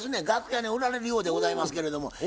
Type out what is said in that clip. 楽屋におられるようでございますけれども。